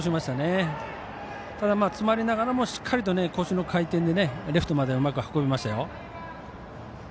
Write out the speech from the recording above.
ただ詰まりながらもしっかりと腰の回転でレフトまでうまく運びましたよ。